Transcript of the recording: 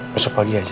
besok pagi aja ya